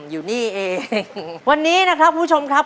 อยู่นี่เองวันนี้นะครับคุณผู้ชมครับ